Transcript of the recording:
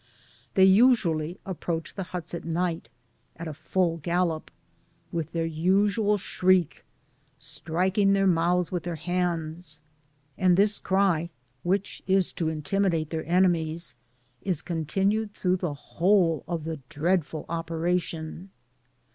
They usually approach the huts at night at a full gal* lop, with their usual shriek, striking their mouths with their hands— and this cry, which is to inti<* midate their enemies, is continued through the whole of the dreadful operation.